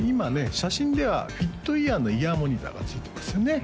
写真ではＦｉｔＥａｒのイヤーモニターがついてますよね